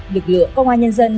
lực lượng công an nhân dân